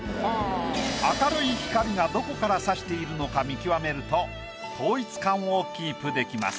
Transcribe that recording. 明るい光がどこからさしているのか見極めると統一感をキープできます。